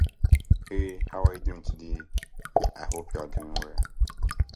After the death of Alexander, Attalus joined Perdiccas, whose sister, Atalante, he had married.